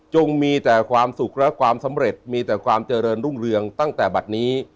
มีแต่ความสุขและความสำเร็จมีแต่ความเจริญรุ่งเรืองตั้งแต่บัตรนี้